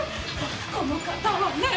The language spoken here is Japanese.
この方はね